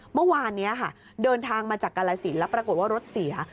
เมื่อวานนี้ค่ะเดินทางมาจากกาลสินแล้วปรากฏว่ารถเสีย